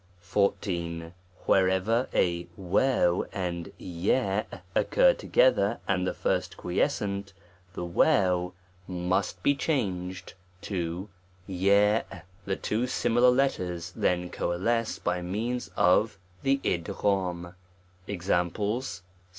XIV, WHEREVER a _, and ^ occur together, and the first quiescent, the j must be changed to cs ; the two similar letters then coalesce by means of the fl4l. Examples.